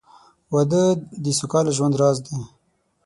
• واده د سوکاله ژوند راز دی.